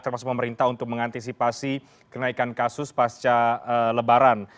termasuk pemerintah untuk mengantisipasi kenaikan kasus pasca lebaran